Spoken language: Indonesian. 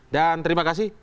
dan terima kasih